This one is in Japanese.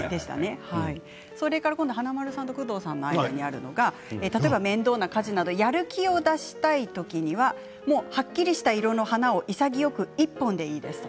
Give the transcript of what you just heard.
それから華丸さんと工藤さんの間にあるのが例えば面倒な家事などやる気を出したい時にははっきりした色のお花を潔く１本でいいです。